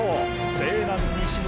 勢南西村